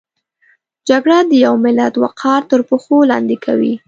جګړه د یو ملت وقار تر پښو لاندې کوي